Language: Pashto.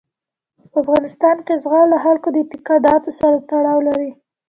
په افغانستان کې زغال د خلکو د اعتقاداتو سره تړاو لري.